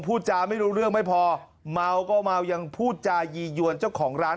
พูดจาไม่รู้เรื่องไม่พอเมาก็เมายังพูดจายียวนเจ้าของร้าน